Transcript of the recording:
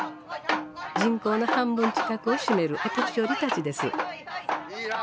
人口の半分近くを占めるお年寄りたちです。